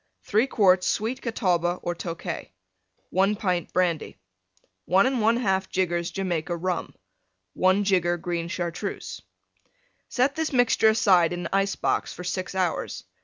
3 quarts Sweet Catawba or Tokay. 1 pint Brandy. 1 1/2 jiggers Jamaica Rum. 1 jigger Green Chartreuse. Set this mixture aside in ice box for 6 hours.